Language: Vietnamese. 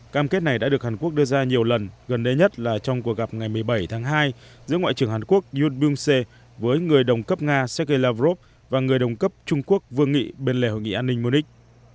cam kết này đã được hàn quốc đưa ra nhiều lần gần đây nhất là trong cuộc gặp ngày một mươi bảy tháng hai giữa ngoại trưởng hàn quốc yud bưu sê với người đồng cấp nga sergei lavrov và người đồng cấp trung quốc vương nghị bên lề hội nghị an ninh munich